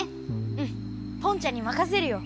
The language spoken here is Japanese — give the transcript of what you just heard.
うんポンちゃんにまかせるよ。